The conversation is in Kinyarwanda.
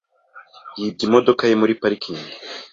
Yibye imodoka ye muri parikingi .